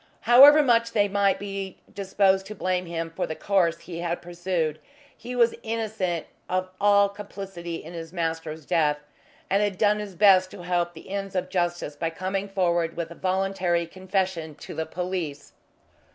However much they might be disposed to blame him for the course he had pursued, he was innocent of all complicity in his master's death, and had done his best to help the ends of justice by coming forward with a voluntary confession to the police.